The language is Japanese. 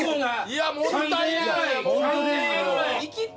いやもったいない！